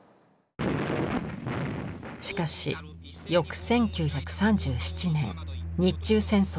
しかし翌１９３７年日中戦争が勃発。